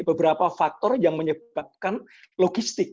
beberapa faktor yang menyebabkan logistik